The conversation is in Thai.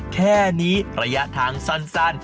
แค่นี้ระยะทางสั้น